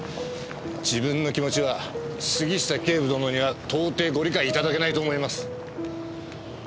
自分の気持ちは杉下警部殿には到底ご理解いただけないと思います。